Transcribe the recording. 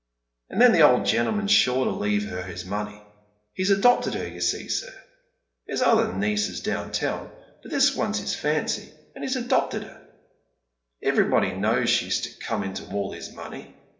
And then the old gentleman's sure to leave her his money. He's adopted her, you see, sir. There's other nieces down town, but this one's his fancy, and lie's adopted her. Everybody knows she's to come into all his money.